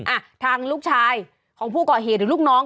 อ่ะทางลูกชายของผู้ก่อเหตุหรือลูกน้อง